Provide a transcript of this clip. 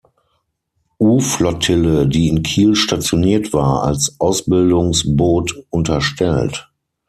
U-Flottille, die in Kiel stationiert war, als Ausbildungsboot unterstellt.